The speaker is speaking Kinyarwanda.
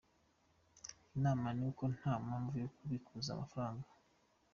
Inama ni uko nta mpamvu yo kubikuza amafaranga.